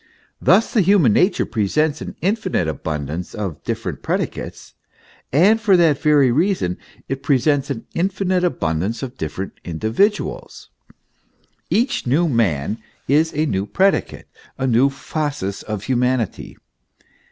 Thus the human nature presents an infinite abun dance of different predicates, and for that very reason it presents an infinite abundance of different individuals. Each new man is a new predicate, a new phasis of humanity.